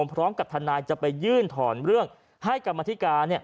พร้อมกับทนายจะไปยื่นถอนเรื่องให้กรรมธิการ